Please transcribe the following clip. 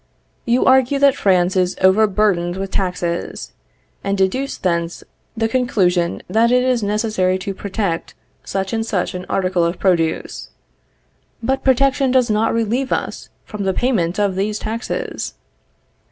You argue that France is overburthened with taxes, and deduce thence the conclusion that it is necessary to protect such and such an article of produce. But protection does not relieve us from the payment of these taxes.